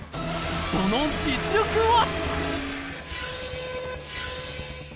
その実力は？